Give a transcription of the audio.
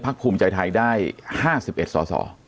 พักคุมใจไทยได้๕๑สอสอ